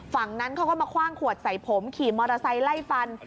ฝั่งนั้นเขาก็มาคว่างขวดใส่ผมขี่มอเตอร์ไซค์ไล่ฟัน